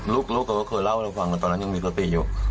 ลูกเคยเล่าให้เราฟังแต่ตอนนั้นยังมีตัวตี้อยู่